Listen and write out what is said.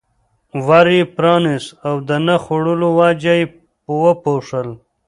ور یې پرانست او د نه خوړلو وجه یې وپوښتل.